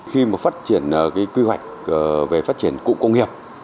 khi phát triển quy hoạch về phát triển cụ công nghiệp